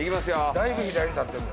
だいぶ左に立ってるで。